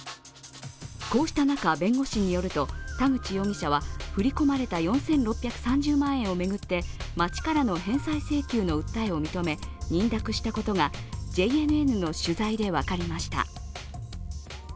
こうした中、弁護士によると田口容疑者は振り込まれた４６３０万円を巡って町からの返済請求の訴えを認め認諾したことがＪＮＮの取材で分かりました。